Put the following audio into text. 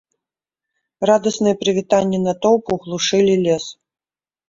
Радасныя прывітанні натоўпу глушылі лес.